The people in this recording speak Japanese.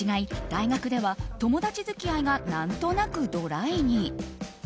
大学では友達付き合いが何となくドライに。